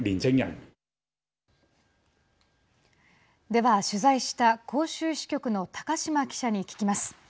では、取材した広州支局の高島記者に聞きます。